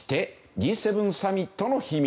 Ｇ７サミットの秘密。